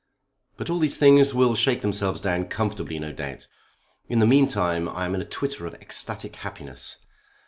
"But all these things will shake themselves down comfortably no doubt. In the meantime I am in a twitter of ecstatic happiness.